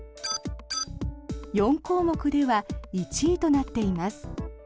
４項目では１位となっています。